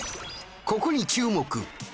ここに注目。